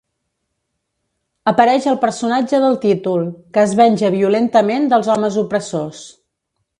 Apareix el personatge del títol, que es venja violentament dels homes opressors.